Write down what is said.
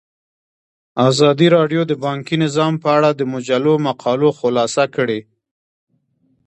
ازادي راډیو د بانکي نظام په اړه د مجلو مقالو خلاصه کړې.